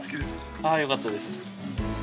あぁよかったです。